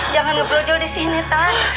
jangan ngebrojol di sini tan